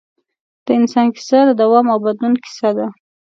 د انسان کیسه د دوام او بدلون کیسه ده.